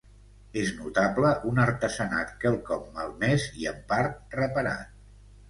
És notable un artesanat quelcom malmès i, en part, reparat.